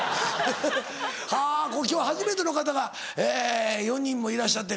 はぁ今日初めての方が４人もいらっしゃって。